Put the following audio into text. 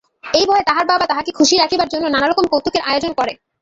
এই ভয়ে তাহার বাবা তাহাকে খুশি রাখিবার জন্য নানারকম কৌতুকের আয়োজন করে।